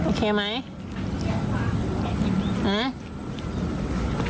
โอเคไหม